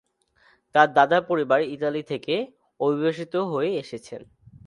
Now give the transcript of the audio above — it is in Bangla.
তার দাদার পরিবার ইতালি থেকে অভিবাসিত হয়ে এসেছেন।